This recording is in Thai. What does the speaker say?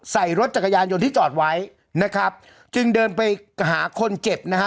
ใส่รถจักรยานยนต์ที่จอดไว้นะครับจึงเดินไปหาคนเจ็บนะฮะ